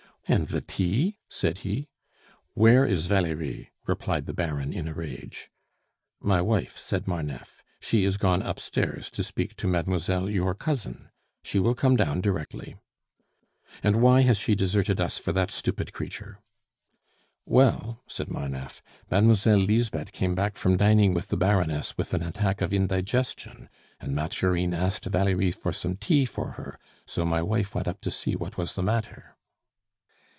"And the tea?" said he. "Where is Valerie?" replied the Baron in a rage. "My wife," said Marneffe. "She is gone upstairs to speak to mademoiselle your cousin. She will come down directly." "And why has she deserted us for that stupid creature?" "Well," said Marneffe, "Mademoiselle Lisbeth came back from dining with the Baroness with an attack of indigestion and Mathurine asked Valerie for some tea for her, so my wife went up to see what was the matter."